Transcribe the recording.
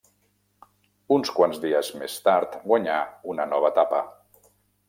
Uns quants dies més tard guanyà una nova etapa.